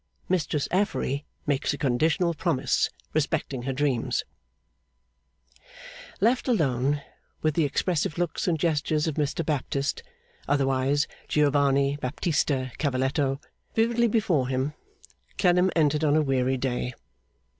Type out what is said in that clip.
Mistress Affery makes a Conditional Promise, respecting her Dreams Left alone, with the expressive looks and gestures of Mr Baptist, otherwise Giovanni Baptista Cavalletto, vividly before him, Clennam entered on a weary day.